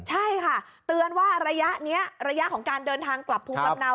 ใช่ค่ะเตือนว่าระยะนี้ระยะของการเดินทางกลับภูมิลำเนา